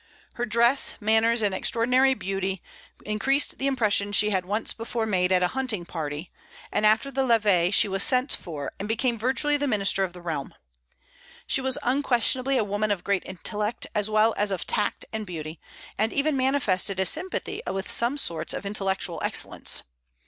Her dress, manners, and extraordinary beauty increased the impression she had once before made at a hunting party; and after the levée she was sent for, and became virtually the minister of the realm. She was unquestionably a woman of great intellect, as well as of tact and beauty, and even manifested a sympathy with some sorts of intellectual excellence.